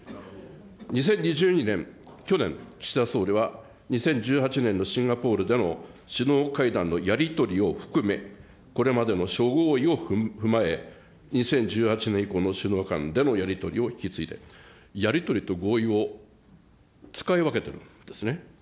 ２０２２年、去年、岸田総理は、２０１８年のシンガポールでの首脳会談のやり取りを含め、これまでの諸合意を踏まえ、２０１８年以降の首脳間でのやり取りを引き継いで、やり取りと合意を使い分けているんですね。